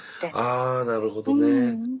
あなるほどね。うん。